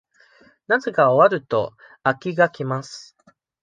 夏が終わると、秋が来ます。